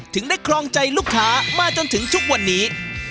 ถึงได้ครองใจลูกค้ามาจนถึงทุกวันนี้